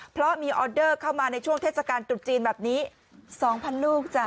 เพราะมีออเดอร์เข้ามาในช่วงเทศกาลตรุษจีนแบบนี้๒๐๐๐ลูกจ้ะ